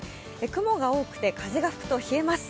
雲が多くて風が吹くと冷えます。